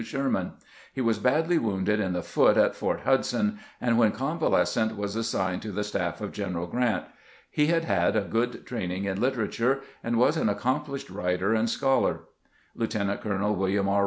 He was badly wounded in the foot at Port Hudson, and when convalescent was as signed to the staflE of General Grant. He had had a good training in literature, and was an accomplished writer and scholar. Lieutenant colonel William R.